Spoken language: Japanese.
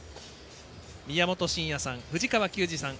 宮本慎也さん、藤川球児さん